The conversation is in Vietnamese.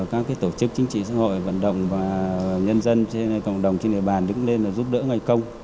các tổ chức chính trị xã hội vận động và nhân dân trên cộng đồng trên địa bàn đứng lên giúp đỡ ngày công